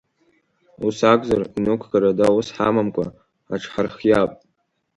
Ус акәзар, инықәгарада ус ҳамамкәа, ҳаҽҳархиап?